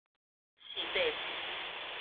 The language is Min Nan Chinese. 四塊厝